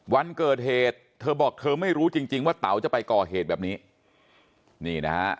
วันเกิดเหตุเธอบอกเธอไม่รู้จริงว่าเต๋าจะไปก่อเหตุแบบนี้